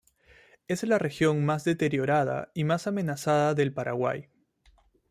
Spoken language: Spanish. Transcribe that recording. Es la ecorregión más deteriorada y más amenazada del Paraguay.